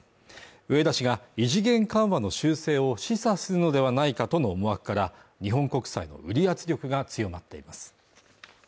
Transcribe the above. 植田氏が異次元緩和の修正を示唆するのではないかとの思惑から、日本国債の売り圧力が強まっています。